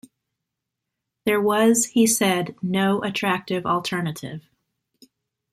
There was, he said "no attractive alternative".